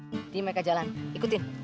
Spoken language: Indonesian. ini mereka jalan ikutin